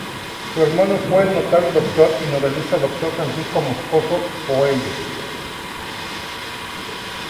Su hermano fue el notable doctor y novelista doctor Francisco Moscoso Puello.